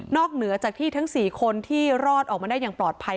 เหนือจากที่ทั้ง๔คนที่รอดออกมาได้อย่างปลอดภัย